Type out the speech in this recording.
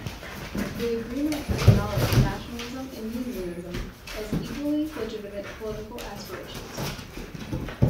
The agreement acknowledged nationalism and unionism as "equally legitimate, political aspirations".